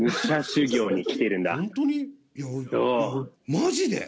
マジで？